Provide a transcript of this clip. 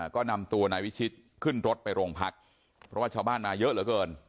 ก็นำตัวนายวิชิตขึ้นรถไปโรงพักเพราะว่าชาวบ้านมาเยอะเหลือเกิน